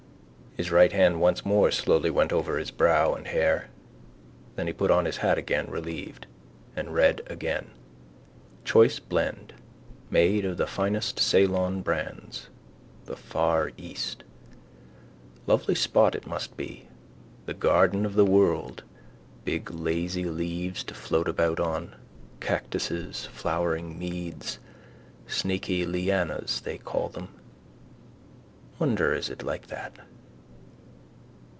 His right hand once more more slowly went over his brow and hair. Then he put on his hat again, relieved: and read again: choice blend, made of the finest Ceylon brands. The far east. Lovely spot it must be: the garden of the world, big lazy leaves to float about on, cactuses, flowery meads, snaky lianas they call them. Wonder is it like that.